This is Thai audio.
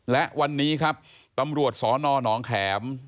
และวันนี้ครับตำรวจสนหนองแข็ม